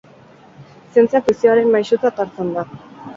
Zientzia fikzioaren maisutzat hartzen da.